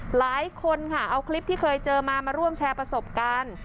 หลายคนค่ะเอาคลิปที่เคยเจอมามาร่วมแชร์ประสบการณ์